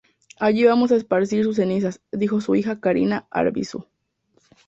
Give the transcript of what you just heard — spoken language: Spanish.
Allí vamos a esparcir sus cenizas", dijo su hija Karina Arvizu.